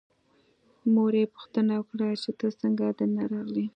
مور یې پوښتنه وکړه چې ته څنګه دننه راغلې.